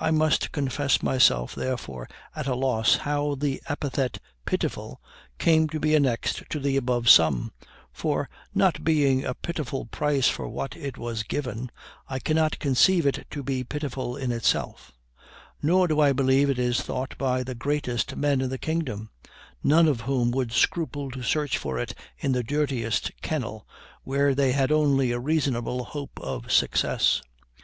I must confess myself therefore at a loss how the epithet PITIFUL came to be annexed to the above sum; for, not being a pitiful price for what it was given, I cannot conceive it to be pitiful in itself; nor do I believe it is thought by the greatest men in the kingdom; none of whom would scruple to search for it in the dirtiest kennel, where they had only a reasonable hope of success.